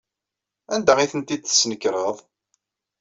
Anda ay tent-id-tesnekreḍ?